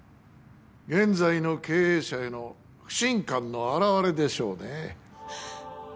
現在の経営者への不信感の表れでしょうね